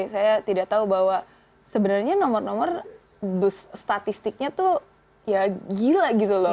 saya tidak tahu bahwa sebenarnya nomor nomor statistiknya tuh ya gila gitu loh